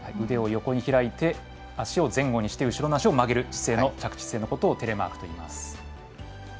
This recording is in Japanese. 腕を横に開いて足を前後にして後ろに曲げる姿勢のことをテレマークといいます。